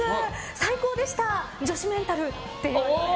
最高でした「女子メンタル」って言われて。